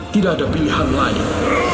tidak ada pilihan lain